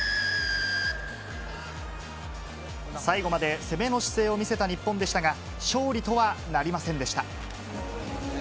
最後まで攻めの姿勢を見せた日本でしたが、勝利とはなりませんでした。